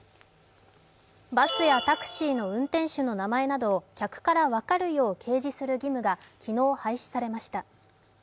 バスやタクシーの運転手の名前などを客から分かるよう掲示する義務が昨日、廃止されました。